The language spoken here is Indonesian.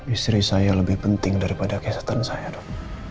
istri saya lebih penting daripada kesehatan saya dong